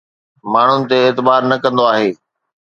ماڻهن تي اعتبار نه ڪندو آهي